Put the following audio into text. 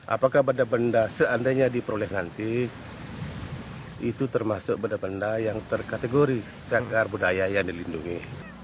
apakah benda benda seandainya diperoleh nanti itu termasuk benda benda yang terkategori cagar budaya yang dilindungi